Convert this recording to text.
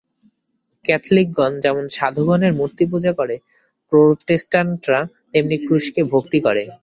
ক্যাথলিকগণ যেমন সাধুগণের মূর্তি পূজা করে, প্রোটেস্টাণ্টরা তেমনি ক্রুশকে ভক্তি করে।